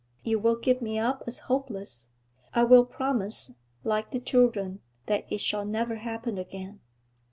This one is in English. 'You will give me up as hopeless; I will promise, like the children, that it shall never happen again.'